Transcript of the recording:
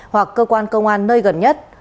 sáu mươi bảy hoặc cơ quan công an nơi gần nhất